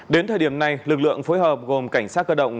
đến thời điểm này lực lượng phối hợp gồm cảnh sát cơ động